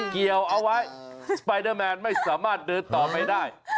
เกี่ยวเอาไว้สไปเดอร์แมนไม่สามารถเดินต่อไปได้